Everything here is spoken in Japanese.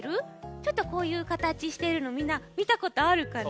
ちょっとこういうかたちしてるのみんなみたことあるかな？